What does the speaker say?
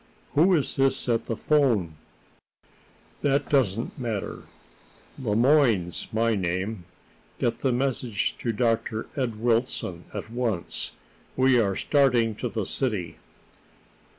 "Who is this at the 'phone?" "That doesn't matter. Le Moyne's my name. Get the message to Dr. Ed Wilson at once. We are starting to the city."